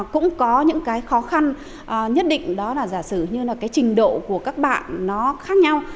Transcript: cũng có những cái khó khăn nhất định đó là giả sử như là cái trình độ của các bạn nó khác nhau